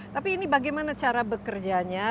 tapi ini bagaimana cara bekerjanya